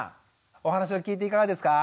お話を聞いていかがですか？